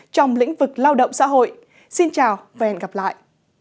trong lĩnh vực lao động xã hội xin chào và hẹn gặp lại